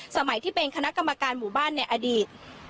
สมัยที่เป็นคณะกรรมการหมู่บ้านในอดีต